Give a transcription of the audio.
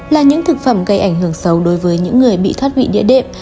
là những thực phẩm gây ảnh hưởng xấu đối với những người bị thoát vị địa đệm